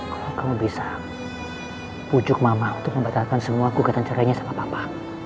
kalau kamu bisa pujuk mama untuk membatalkan semua gugatan cerainya sama papa